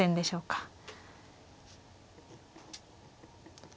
はい。